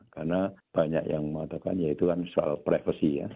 karena banyak yang mengatakan ya itu kan soal privasi